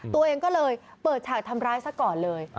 ตัวเองก็เลยเปิดฉากทำร้ายซะก่อนเลย